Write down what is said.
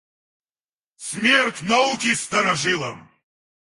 Смерть науки старожилам!